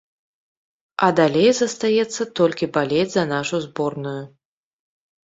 А далей застаецца толькі балець за нашу зборную.